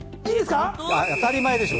当たり前でしょ！